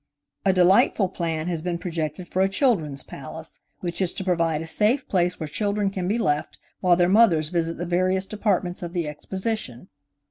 A delightful plan has been projected for a Children's Palace, which is to provide a safe place where children can be left while their mothers visit the various departments of the Exposition.